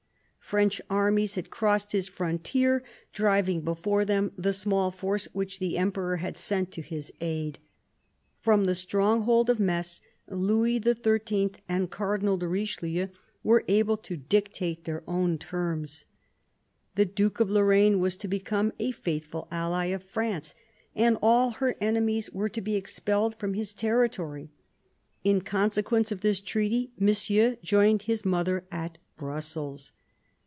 French armies had crossed his frontier, driving before them the small force which the Emperor had sent to his aid. From the stronghold of Metz, Louis XIII. and Cardinal de Richelieu were able to dictate their own terms. The Duke of Lorraine was to become a faithful ally of France, and all her enemies were to be expelled from his territory. In consequence of this treaty. Monsieur joined his mother at Brussels.